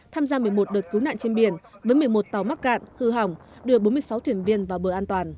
tham gia một mươi một đợt cứu nạn trên biển với một mươi một tàu mắc cạn hư hỏng đưa bốn mươi sáu thuyền viên vào bờ an toàn